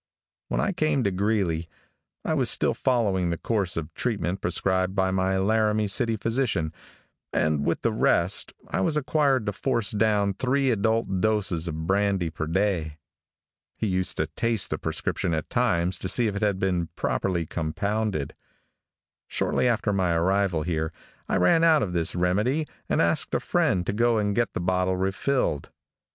When I came to Greeley, I was still following the course of treatment prescribed by my Laramie City physician, and with the rest, I was required to force down three adult doses of brandy per day. He used to taste the prescription at times to see if it had been properly compounded. Shortly after my arrival here I ran out of this remedy and asked a friend to go and get the bottle refilled.